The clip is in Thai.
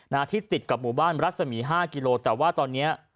ณที่ติดกับหมู่บ้านรัศมี๕กิโลกรัมแต่ว่าตอนนี้